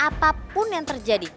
apapun yang terjadi